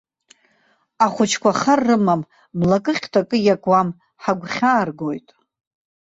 Ахәыҷқәа хар рымам, млакы, хьҭакы иакуам, ҳагәхьааргоит.